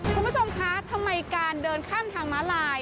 คุณผู้ชมคะทำไมการเดินข้ามทางม้าลาย